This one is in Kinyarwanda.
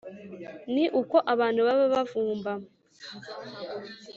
Ni uko abantu baba bavumba